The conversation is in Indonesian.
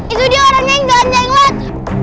itu dia orangnya yang jalan jenglot